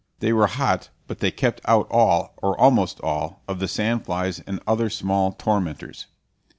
They were hot, but they kept out all, or almost all, of the sand flies and other small tormentors.